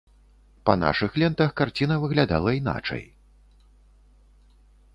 Па нашых лентах карціна выглядала іначай.